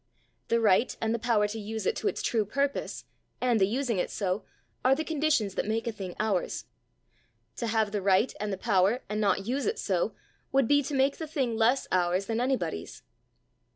The right and the power to use it to its true purpose, and the using it so, are the conditions that make a thing ours. To have the right and the power, and not use it so, would be to make the thing less ours than anybody's.